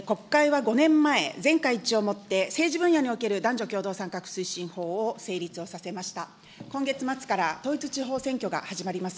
さて総理、国会は５年前、全会一致をもって、政治分野における男女共同参画法を成立をさせました。